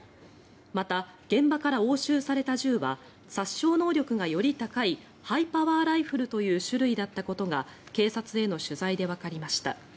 また、現場から押収された銃は殺傷能力がより高いハイパワーライフルという種類だったことが警察への取材でわかりました。